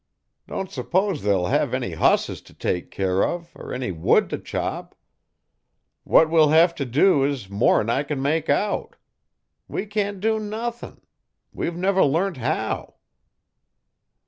Don't suppose they'll hev any hosses if take care uv er any wood if chop. What we'll hev if do is more'n I can make out. We can't do nuthin; we've never learnt how."